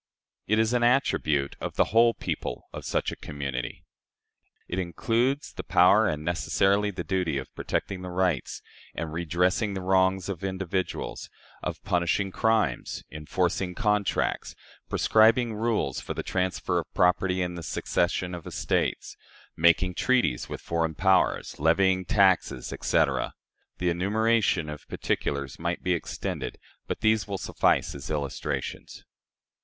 It is an attribute of the whole people of such a community. It includes the power and necessarily the duty of protecting the rights and redressing the wrongs of individuals, of punishing crimes, enforcing contracts, prescribing rules for the transfer of property and the succession of estates, making treaties with foreign powers, levying taxes, etc. The enumeration of particulars might be extended, but these will suffice as illustrations.